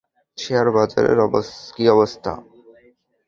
Share বাজারের কী অবস্থা?